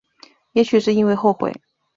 也许是因为后悔